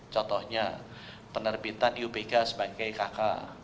contohnya penerbitan iupk sebagai kk